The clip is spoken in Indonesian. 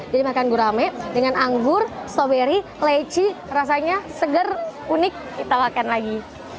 jadi makan gurame dengan anggur soberi leci rasanya segar unik kita makan lagi